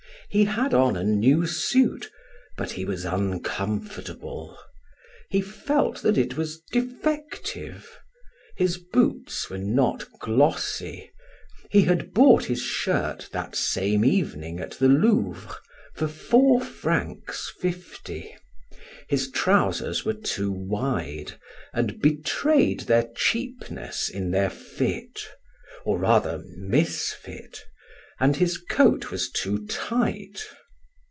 He had on a new suit but he was uncomfortable. He felt that it was defective; his boots were not glossy, he had bought his shirt that same evening at the Louvre for four francs fifty, his trousers were too wide and betrayed their cheapness in their fit, or rather, misfit, and his coat was too tight.